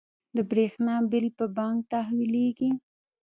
د بریښنا بیل په بانک تحویلیږي؟